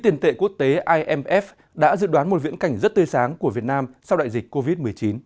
imf đã dự đoán một viễn cảnh rất tươi sáng của việt nam sau đại dịch covid một mươi chín